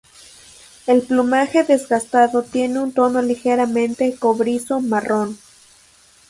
El plumaje desgastado tiene un tono ligeramente cobrizo-marrón.